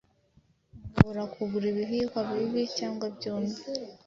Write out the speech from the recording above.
ahobora kugura ibihihwa bibii cyangwa byumye